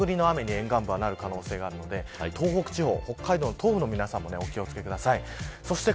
沿岸部はなる可能性があるので東北地方、北海道の東部の皆さんもお気を付けください。